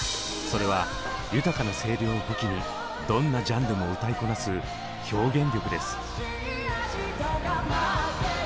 それは豊かな声量を武器にどんなジャンルも歌いこなす表現力です。